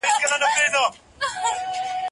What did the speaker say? زه پرون انځورونه رسم کوم